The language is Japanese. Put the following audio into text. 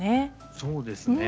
そうですね。